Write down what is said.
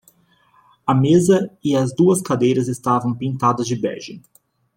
A mesa e as duas cadeiras estavam pintadas de bege.